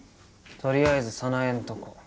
とりあえず早苗んとこ。